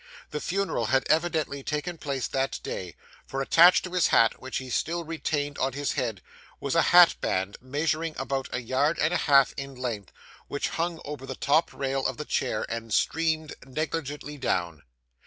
The funeral had evidently taken place that day, for attached to his hat, which he still retained on his head, was a hatband measuring about a yard and a half in length, which hung over the top rail of the chair and streamed negligently down.